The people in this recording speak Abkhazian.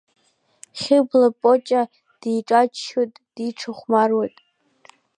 Хьыбла Ԥоча диҿаччоит, диҿахәмаруеит.